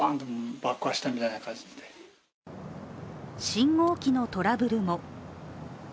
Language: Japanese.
信号機のトラブルも。